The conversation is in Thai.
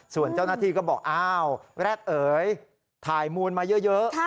ส่วนเจ้าหน้าที่ก็บอกอ้าวแรดเอ๋ยถ่ายมูลมาเยอะ